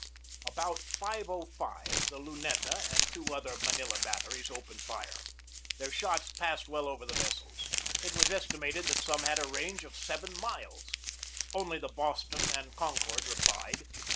About 5.05 the Luneta and two other Manila batteries opened fire. Their shots passed well over the vessels. It was estimated that some had a range of seven miles. Only the Boston and Concord replied.